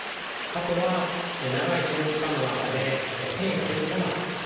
あとは長い治療期間の中で転移が出てこなかった。